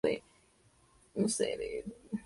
En la mayoría de las especies, el axis es espinoso.